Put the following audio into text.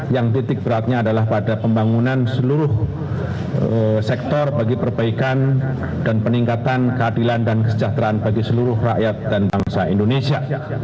yang titik beratnya adalah pada pembangunan seluruh sektor bagi perbaikan dan peningkatan keadilan dan kesejahteraan bagi seluruh rakyat dan bangsa indonesia